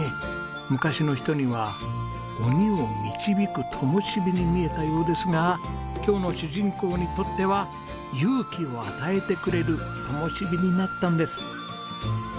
昔の人には鬼を導く灯に見えたようですが今日の主人公にとっては勇気を与えてくれる灯になったんです！